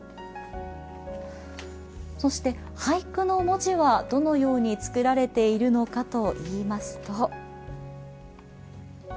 そして俳句の文字はどのように作られているのかといいますと。